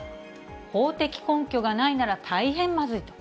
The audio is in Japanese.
法的根拠がないなら、大変まずいと。